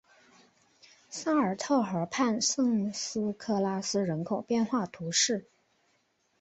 萨尔特河畔圣斯科拉斯人口变化图示